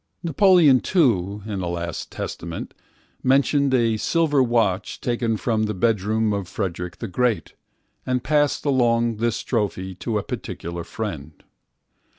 Napoleon too, in a last testament, mentioned a silverwatch taken from the bedroom of Frederick the Great, and passed along this trophy to a particular friend.